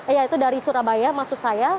yaitu dari surabaya maksud saya